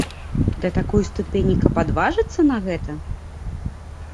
Да такой ступені, каб адважыцца на гэта?